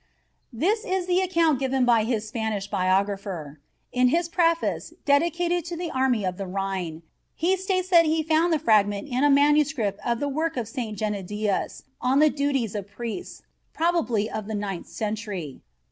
This is the account given by his Spanish biographer. In his preface, dedicated to the Army of the Rhine, he states that he found the fragment in a manuscript of the work of St. Gennadius on the Duties of Priests, probably of the XI Century.